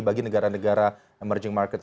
bagi negara negara emerging market